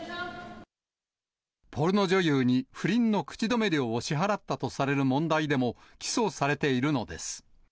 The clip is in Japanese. ポルノ女優に不倫の口止め料を支払ったとされる問題でも起訴されているのです。